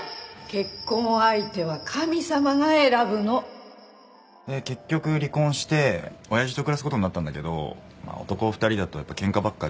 結婚相手は神様が選ぶの。で結局離婚しておやじと暮らす事になったんだけどまあ男２人だとやっぱ喧嘩ばっかで。